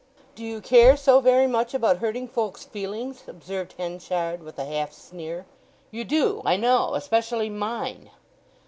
"Do you care so very much about hurting folks' feelings?" observed Henchard with a half sneer. "You do, I know—especially mine!"